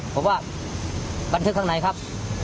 ผมว่าบันทึกข้างในครับ